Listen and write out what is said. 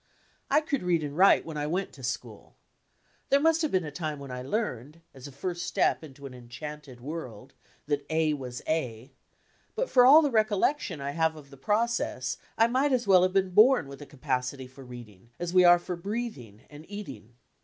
I could read and write when I went to school. There must have been a time when I learned, as a first step into an enchanted world, that A was A; but for all the recollection I have of the process I might as well have been bom with a capacity for reading, as we are for breathing and eadng.